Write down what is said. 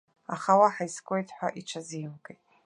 Аха уаҳа искуеит ҳәа иҽазимкит.